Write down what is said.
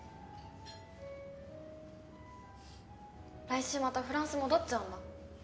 来週またフランス戻っちゃうんだ。